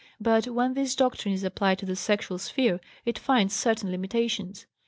But when this doctrine is applied to the sexual sphere it finds certain limitations.